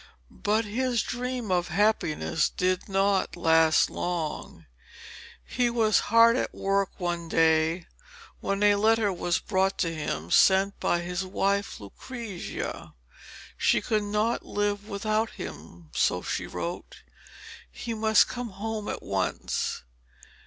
But his dream of happiness did not last long. He was hard at work one day when a letter was brought to him, sent by his wife Lucrezia. She could not live without him, so she wrote. He must come home at once.